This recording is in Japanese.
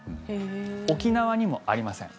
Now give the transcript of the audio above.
沖縄にもありません。